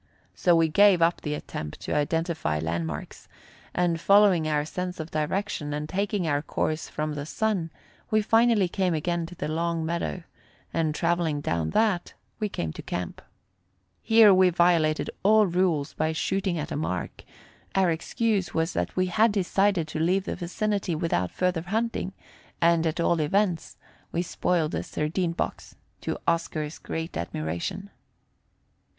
So we gave up the attempt to identify landmarks, and, following our sense of direction and taking our course from the sun, we finally came again to the long meadow, and, traveling down that, we came to camp. Here we violated all rules by shooting at a mark our excuse was that we had decided to leave the vicinity without further hunting; and, at all events, we spoiled a sardine box, to Oscar's great admiration.